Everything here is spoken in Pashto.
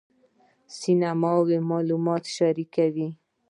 سیمینارونه معلومات شریکوي